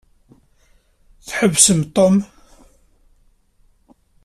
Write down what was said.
Tḥebsem Tom?